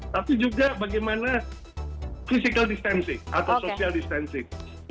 tapi juga bagaimana physical distancing atau social distancing